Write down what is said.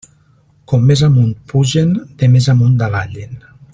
Com més amunt pugen, de més amunt davallen.